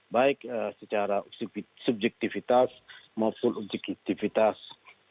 baik secara subjektifitas maupun objektifitas